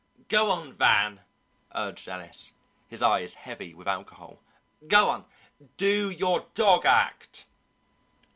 "Go on, Van!" urged Ellis, his eyes heavy with alcohol. "Go on, do your dog act!"